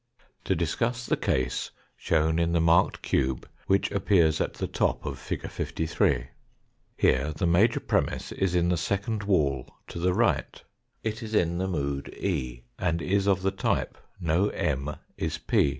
To discuss the case shown in the marked cube which appears at the top of fig. 53. Here the major premiss is in the second wall to the right it is in the mood E and is of the type no M is P.